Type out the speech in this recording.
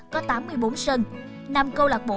có tám mươi bốn sân năm câu lạc bộ